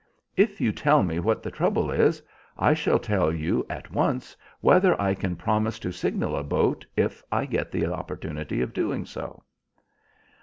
If you tell me what the trouble is I shall tell you at once whether I can promise to signal a boat if I get the opportunity of doing so."